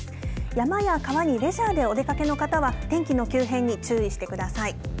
山や川にレジャーでお出かけの方は天気の急変に注意してください。